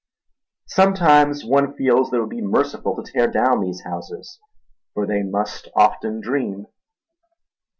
Sometimes one feels that it would be merciful to tear down these houses, for they must often dream.